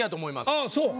ああそう。